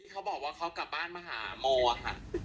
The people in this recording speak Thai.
เขาบอกว่าเขากลับบ้านมาหาโมอะค่ะ